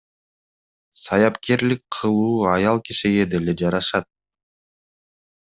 Саяпкерлик кылуу аял кишиге деле жарашат